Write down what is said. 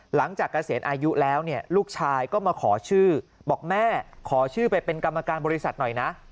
เกษียณอายุแล้วเนี่ยลูกชายก็มาขอชื่อบอกแม่ขอชื่อไปเป็นกรรมการบริษัทหน่อยนะ